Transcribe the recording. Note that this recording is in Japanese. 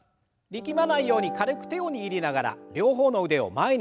力まないように軽く手を握りながら両方の腕を前に上げて。